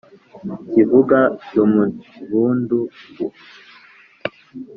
kivuga dumbudumbu